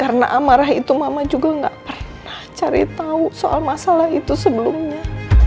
karena amarah itu mama juga gak pernah cari tahu soal masalah itu sebelumnya